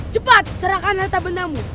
cepat serahkan harta benamu